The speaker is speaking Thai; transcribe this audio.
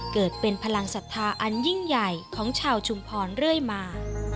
เกิดเป็นพลังศรัทธาอันยิ่งใหญ่ของชาวชุมพรเรื่อยมา